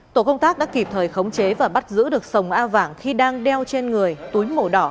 tổ công tác đã kịp thời khống chế và bắt giữ được sông a vàng khi đang đeo trên người túi màu đỏ